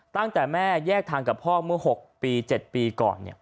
ตั้งแต่แม่แยกทางกับพ่อเมื่อ๖ปี๗ปีก่อน